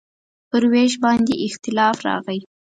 پر وېش باندې اختلاف راغی.